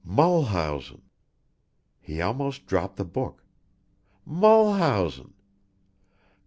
Mulhausen! He almost dropped the book. Mulhausen!